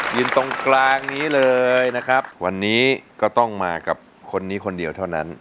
ยืนตรงกลางนี้เลยนะครับวันนี้ก็ต้องมากับคนนี้คนเดียวเท่านั้น